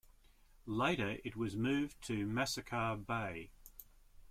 Later it was moved to Massacre Bay.